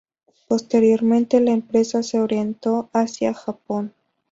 Posteriormente la empresa se orientó hacia Japón.